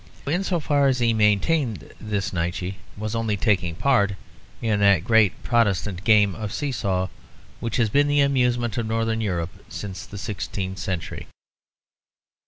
In so far as he maintained this Nietzsche was only taking part in that great Protestant game of see saw which has been the amusement of northern Europe since the sixteenth century.